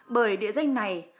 bởi địa danh này